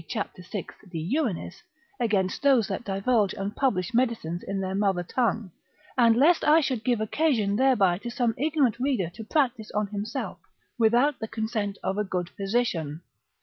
cap. 6. de urinis, against those that divulge and publish medicines in their mother tongue, and lest I should give occasion thereby to some ignorant reader to practise on himself, without the consent of a good physician.